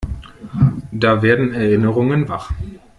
Da werden Erinnerungen wach.